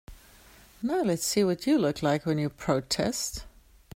Now let's see what you look like when you protest.